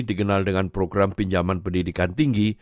dikenal dengan program pinjaman pendidikan tinggi